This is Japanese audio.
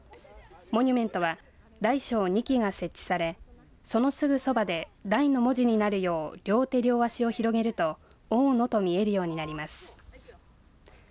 モニュメントは大小２基が設置されそのすぐそばで大の文字になるよう両手、両足を広げると大野と見えるようになります。